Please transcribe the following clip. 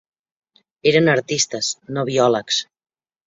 Eren artistes, no biòlegs.